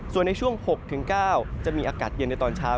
ส่วนในช่วง๖๙จะมีอากาศเย็นในตอนเช้า